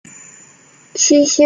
七星主峰更胜东峰